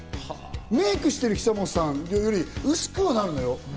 メイクしてる久本さんより薄くはなるのよ。